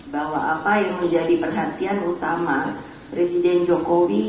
bahwa apa yang menjadi perhatian utama presiden jokowi